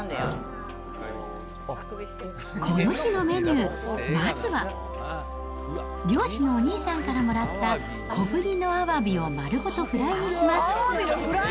この日のメニュー、まずは、漁師のお兄さんからもらった小ぶりのアワビを丸ごとフライにします。